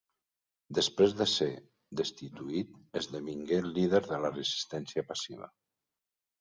Després de ser destituït esdevingué el líder de la resistència passiva.